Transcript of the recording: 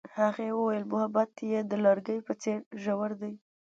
هغې وویل محبت یې د لرګی په څېر ژور دی.